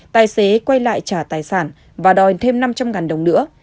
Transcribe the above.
tài xế quay lại trả tài sản và đòi thêm năm trăm linh đồng nữa